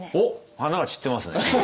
花が散ってますね。